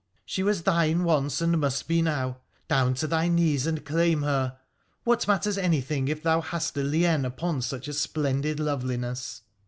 she was thine once and must be now — down to thy knees and claim her !— what matters anything, if thou hast a lien upon such splendid loveliness